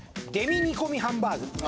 デミ煮込みハンバーグ。